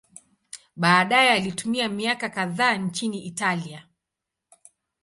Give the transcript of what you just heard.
Baadaye alitumia miaka kadhaa nchini Italia.